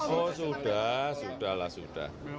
oh sudah sudah lah sudah